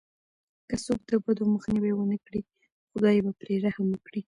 که څوک د بدو مخنيوی ونه کړي، خداي به پرې رحم وکړي.